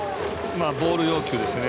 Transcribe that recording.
ボール要求ですよね。